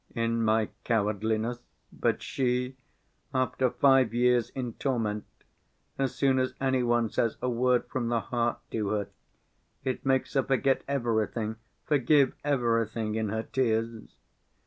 in my cowardliness, but she, after five years in torment, as soon as any one says a word from the heart to her—it makes her forget everything, forgive everything, in her tears!